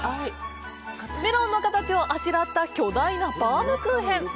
メロンの形をあしらった巨大なバウムクーヘン！